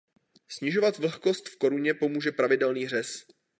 Snižovat vlhkost v koruně pomůže pravidelný řez.